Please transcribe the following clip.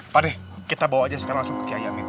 pak d kita bawa aja sekarang langsung ke yamin